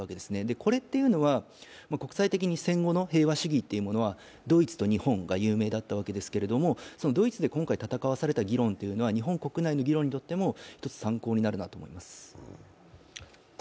これは国際的に戦後の平和主義というものはドイツと日本が有名だったわけですけれども、そのドイツで今回戦わされた議論というのみ、日本国内の議論にとっても１つ、参考になるなと思います。